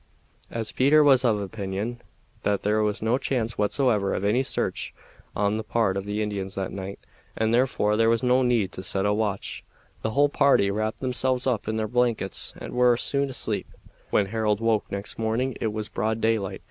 As Peter was of opinion that there was no chance whatever of any search on the part of the Indians that night, and therefore there was no need to set a watch, the whole party wrapped themselves up in their blankets and were soon asleep. When Harold woke next morning it was broad daylight.